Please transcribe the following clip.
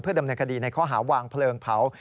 เพื่อดำเนกดีในข้อหาวางเพลิงเผา